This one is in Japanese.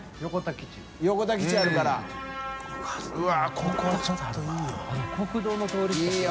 ここはちょっといいよ。